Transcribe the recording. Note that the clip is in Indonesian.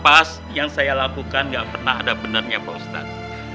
pas yang saya lakukan gak pernah ada benarnya pak ustadz